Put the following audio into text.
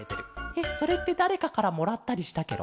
えっそれってだれかからもらったりしたケロ？